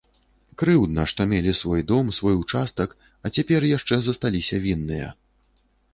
Крыўдна, што мелі свой дом, свой участак, а цяпер яшчэ засталіся вінныя!